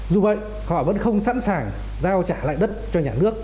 dù vậy họ vẫn không sẵn sàng giao trả lại đất cho nhà nước